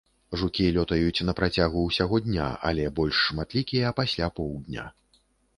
Жукі лётаюць на працягу ўсяго дня, але больш шматлікія пасля поўдня.